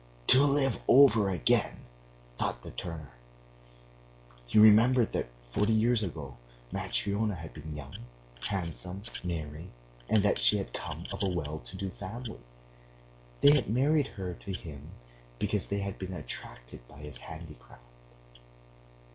"To live over again," thought the turner. He remembered that forty years ago Matryona had been young, handsome, merry, that she had come of a well to do family. They had married her to him because they had been attracted by his handicraft.